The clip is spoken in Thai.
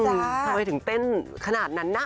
ทำไมถึงเต้นขนาดนั้นน่ะ